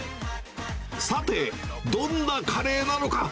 さて、どんなカレーなのか。